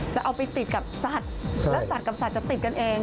จะเอาไปติดกับสัตว์แล้วสัตว์กับสัตว์จะติดกันเอง